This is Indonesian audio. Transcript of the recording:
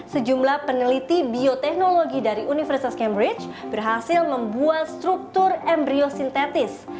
sejumlah peneliti bioteknologi dari universitas cambridge berhasil membuat struktur embryo sintetis